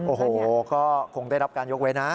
โอ้โหก็คงได้รับการยกเว้นนะ